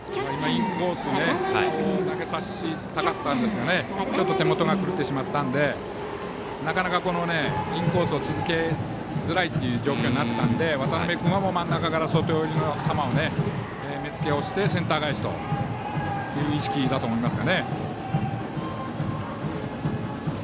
インコースに投げさせたかったんですがちょっと手元が狂ってしまったのでなかなかインコースを続けづらいという状態になったので渡辺君は真ん中から外寄りの球に目付けをしてセンター返しという意識だと思います。